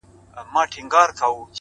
• پر غوټۍ د انارګل به شورماشور وي,